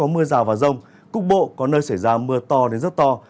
mưa rào và rông cục bộ có nơi xảy ra mưa to đến rất to